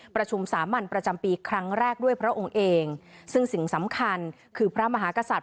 ประชุมสามัญประจำปีครั้งแรกด้วยพระองค์เองซึ่งสิ่งสำคัญคือพระมหากษัตริย